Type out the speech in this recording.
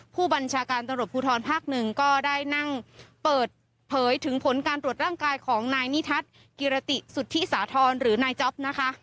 ผู้บัญชาการตำรวจภูทรภาคหนึ่งก็ได้นั่งเปิดเผยถึงผลการตรวจร่างกายของนายนิทัศน์กิรติสุธิสาธรณ์หรือนายจ๊อปนะคะ